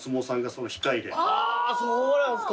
あそうなんですか。